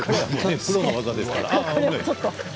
プロの技ですから。